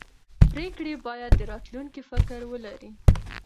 پرېکړې باید د راتلونکي فکر ولري